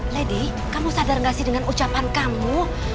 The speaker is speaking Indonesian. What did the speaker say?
lady kamu sadar gak sih dengan ucapan kamu